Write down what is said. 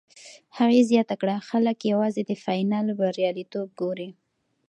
هغې زیاته کړه، خلک یوازې د فاینل بریالیتوب ګوري.